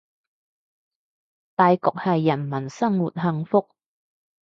大局係人民生活幸福